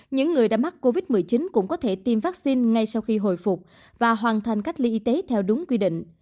những người đã mắc covid một mươi chín cũng có thể tiêm vaccine ngay sau khi hồi phục và hoàn thành cách ly y tế theo đúng quy định